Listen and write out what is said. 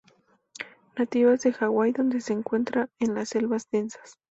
Nativas de Hawái donde se encuentra en las selvas densas.